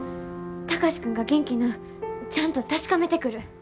貴司君が元気なんちゃんと確かめてくる。